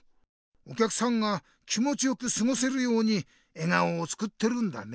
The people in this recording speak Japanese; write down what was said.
おきゃくさんが気もちよくすごせるように笑顔を作ってるんだね。